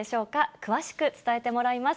詳しく伝えてもらいます。